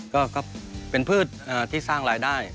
ก็เป็นพืชที่สร้างรายได้